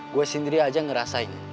gue sendiri aja ngerasain